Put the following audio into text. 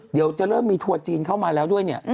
เดี๋ยวจะเริ่มมีทัวร์จีนเข้ามาแล้วด้วยเนี่ย